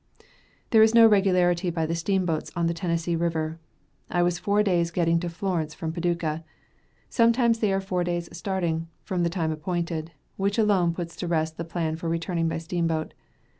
There is no regularity by the steamboats on the Tennessee River. I was four days getting to Florence from Paducah. Sometimes they are four days starting, from the time appointed, which alone puts to rest the plan for returning by steamboat.